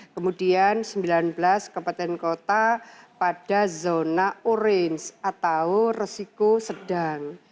kemudian sembilan belas kabupaten kota pada zona orange atau resiko sedang